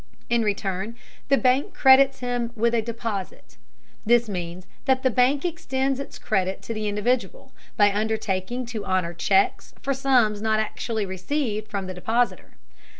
In return, the bank credits him with a "deposit." This means that the bank extends its credit to the individual, by undertaking to honor checks for sums not actually received from the depositor.